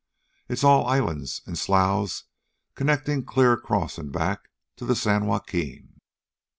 It's all islands and sloughs, connectin' clear across an' back to the San Joaquin."